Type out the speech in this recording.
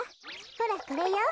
ほらこれよ。